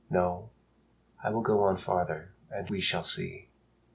No, I will go on farther and we shall see."